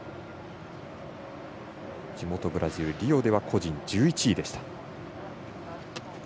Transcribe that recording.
地元ブラジル・リオでは個人１１位でした。